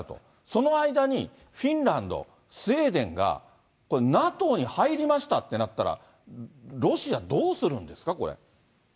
その間にフィンランド、スウェーデンが、ＮＡＴＯに入りましたってなったら、ロシアどうするんですか、これ。